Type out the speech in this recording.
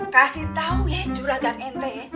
kasih tau ya juragan ente